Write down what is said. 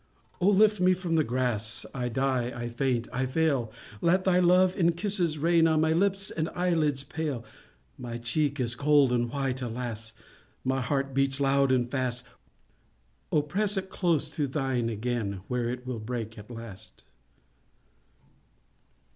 O, lift me from the grass! I die, I faint, I fail! Let thy love in kisses rain On my lips and eyelids pale. My cheek is cold and white, alas! My heart beats loud and fast: O, press it close to shine again, Where it will break at last.